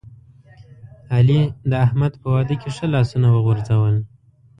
علی د احمد په واده کې ښه لاسونه وغورځول.